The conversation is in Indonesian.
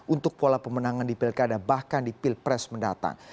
untuk pola pemenangan di pilkada bahkan di pilpres mendatang